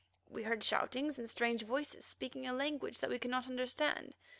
We heard shoutings and strange voices speaking a language that we could not understand.